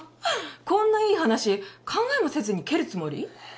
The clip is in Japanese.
こんないい話考えもせずに蹴るつもり？